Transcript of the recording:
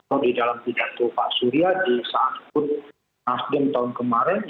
kalau di dalam pidato pak surya di saat bernafasdem tahun kemarin